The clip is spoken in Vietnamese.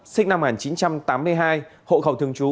sinh năm một nghìn chín trăm tám mươi hai hộ khẩu thường trú